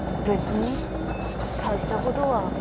別に大したことは。